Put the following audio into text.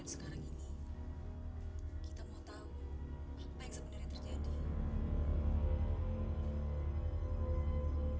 kok kita semua ada yang bisa ingat sih